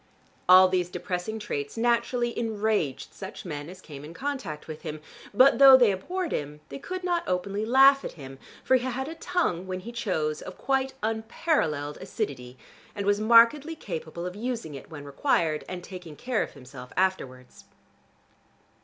All these depressing traits naturally enraged such men as came in contact with him, but though they abhorred him they could not openly laugh at him, for he had a tongue, when he chose, of quite unparalleled acidity, and was markedly capable of using it when required and taking care of himself afterwards.